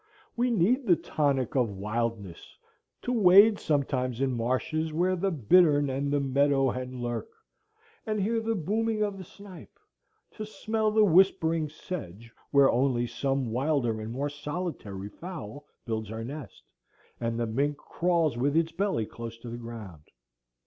We need the tonic of wildness,—to wade sometimes in marshes where the bittern and the meadow hen lurk, and hear the booming of the snipe; to smell the whispering sedge where only some wilder and more solitary fowl builds her nest, and the mink crawls with its belly close to the ground.